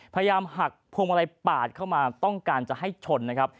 พยายามหักพวงมาลัยปาดเข้ามาต้องการจะให้ชนนะครับ